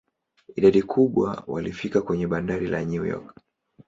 Idadi kubwa walifika kwenye bandari la New York.